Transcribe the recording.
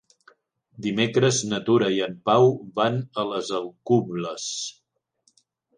Dimecres na Tura i en Pau van a les Alcubles.